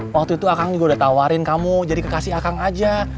waktu itu akang juga udah tawarin kamu jadi kekasih akag aja